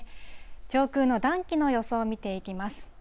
上空の暖気の予想を見ていきます。